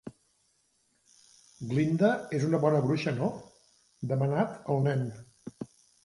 Glinda és una bona bruixa, no? demanat el nen.